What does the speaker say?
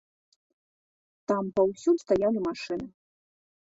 Там паўсюль стаялі машыны.